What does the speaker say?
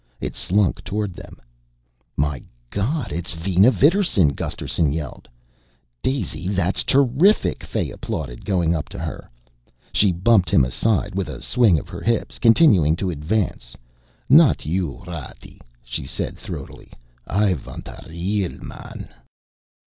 It slunk toward them. "My God, Vina Vidarsson!" Gusterson yelled. "Daisy, that's terrific," Fay applauded, going up to her. She bumped him aside with a swing of her hips, continuing to advance. "Not you, Ratty," she said throatily. "I vant a real man."